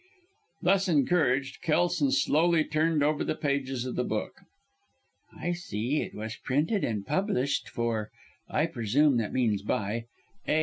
Thus encouraged Kelson slowly turned over the pages of the book. "I see it was printed and published for I presume that means by A.